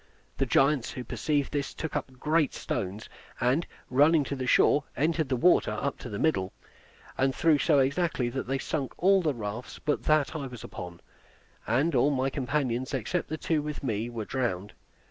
The giants, who perceived this, took up great stones, and, running to the shore, entered the water up to the middle, and threw so exactly that they sunk all the rafts but that I was upon; and all my companions except the two with me, were drowned.